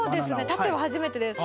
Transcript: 縦は初めてです。